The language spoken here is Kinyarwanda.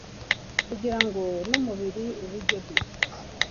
kugira ngo n'umubiri ubijyemo